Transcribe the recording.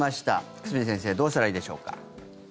久住先生どうしたらいいでしょうか？